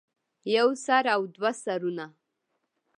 يو سر او دوه سرونه